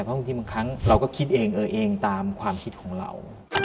เพราะบางทีบางครั้งเราก็คิดเองเออเองตามความคิดของเรา